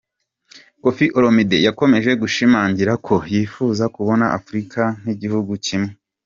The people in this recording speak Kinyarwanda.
Koffi Olomide yakomeje gushimangira ko yifuza kubona Afurika nk’igihugu kimwe.